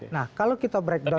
nah kalau kita breakdown